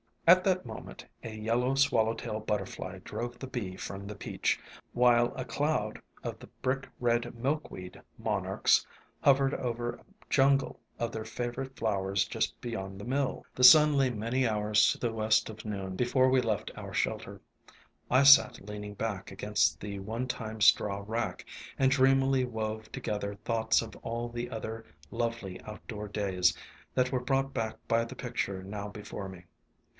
At that moment a yellow swallow tail butterfly drove the bee from the peach, while a cloud of ALONG THE WATERWAYS 57 the brick red milkweed monarchs hovered over a jungle of their favorite flowers just beyond the mill. The sun lay many hours to the west of noon before we left our shelter. I sat leaning back against the one time straw rack, and dreamily wove together thoughts of all the other lovely outdoor days that were brought back by the picture now before me.